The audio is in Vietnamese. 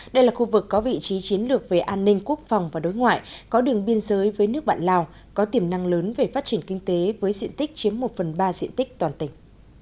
đây là khu vực có vị trí chiến lược về an ninh quốc phòng và đối ngoại có đường biên giới với nước bạn lào có tiềm năng lớn về phát triển kinh tế với diện tích chiếm một phần ba diện tích toàn tỉnh